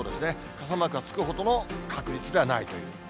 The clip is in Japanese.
傘マークがつくほどの確率ではないという。